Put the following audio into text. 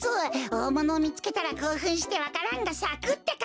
おおものをみつけたらこうふんしてわか蘭がさくってか！